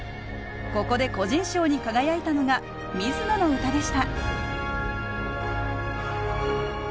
ここで個人賞に輝いたのが水野の歌でした。